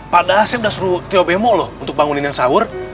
padahal saya sudah suruh tio bemo loh untuk bangunin yang sahur